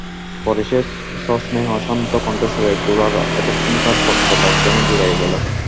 পরেশের সস্নেহ শান্ত কণ্ঠস্বরে গোরার এতক্ষণকার তর্কতাপ যেন জুড়াইয়া গেল।